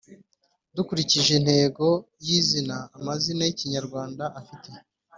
Dukurikije intego y’izina, amazina y’Ikimyarwanda afite